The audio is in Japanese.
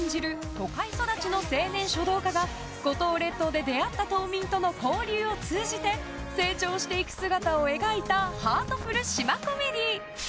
都会育ちの青年書道家が五島列島で出会った島民との交流を通じて成長していく姿を描いたハートフル島コメディー。